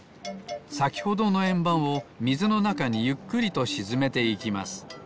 さきほどのえんばんをみずのなかにゆっくりとしずめていきます。